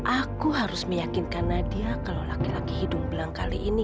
aku harus meyakinkan nadia kalau laki laki hidung belang kali ini